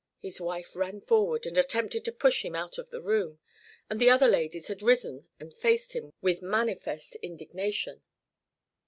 His wife ran forward and attempted to push him out of the room, and the other ladies had risen and faced him with manifest indignation.